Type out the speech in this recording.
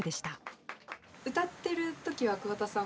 歌ってる時は桑田さん